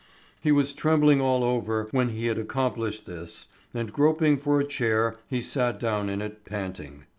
He was trembling all over when he had accomplished this, and groping for a chair he sat down in it, panting.